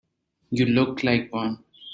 You look like one.